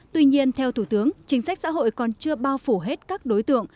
tuy nhiên theo thủ tướng chính sách xã hội còn chưa bao phủ hết các đối tượng